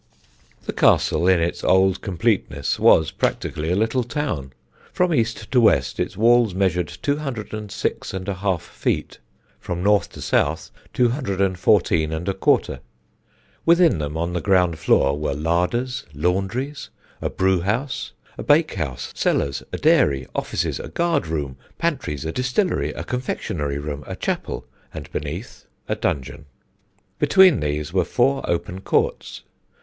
The castle in its old completeness was, practically, a little town. From east to west its walls measured 206 1/2 feet, from north to south, 214 1/4; within them on the ground floor were larders, laundries, a brewhouse, a bakehouse, cellars, a dairy, offices, a guard room, pantries, a distillery, a confectionery room, a chapel, and, beneath, a dungeon. Between these were four open courts.